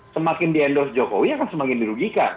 semakin di endorse jokowi akan semakin dirugikan